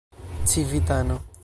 civitano